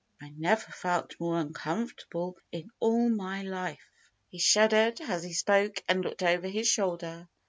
I never felt more uncomfortable in all my life." He shuddered as he spoke and looked over his shoulder.